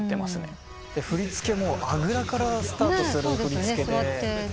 振り付けもあぐらからスタートする振り付けで。